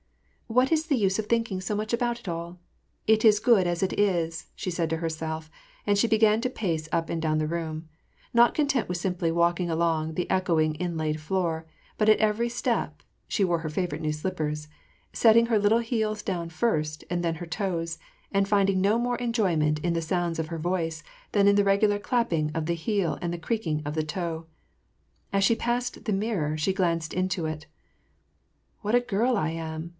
'' What is the use of thinking so much about it all ! it is good as it is," said she to herself, and she began to pace up and down the room : not content with simply walking along the echoing inlaid floor, but at every step — she wore her favorite new slippers — setting her little heels down first, and then her toes ; and finding no more enjoyment in the sounds of her voice than in the regular clapping of the heel and the creaking of the toe. As she passed by a mirror, she glanced into it. <^ What a girl I am